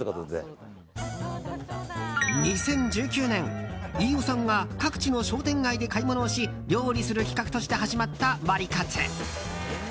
２０１９年、飯尾さんが各地の商店街で買い物をし料理する企画として始まったワリカツ。